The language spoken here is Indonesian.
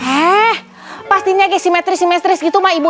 eh pastinya simetris simetris gitu mbak ibu